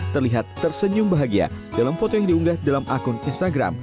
terlihat tersenyum bahagia dalam foto yang diunggah dalam akun instagram